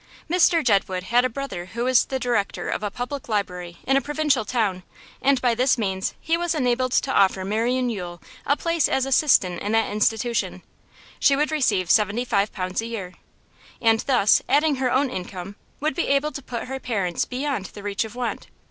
Mr Jedwood had a brother who was the director of a public library in a provincial town, and by this means he was enabled to offer Marian Yule a place as assistant in that institution; she would receive seventy five pounds a year, and thus, adding her own income, would be able to put her parents beyond the reach of want.